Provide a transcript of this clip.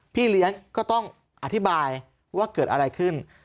พี่เลี้ยงก็ต้องอธิบายว่าเกิดอะไรขึ้น